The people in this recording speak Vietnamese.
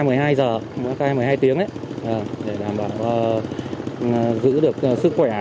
mỗi ca một mươi hai giờ mỗi ca một mươi hai tiếng để giữ được sức khỏe